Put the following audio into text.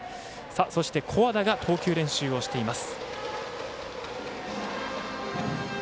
そして、古和田が投球練習をしています。